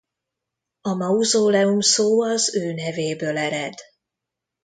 A mauzóleum szó az ő nevéből ered.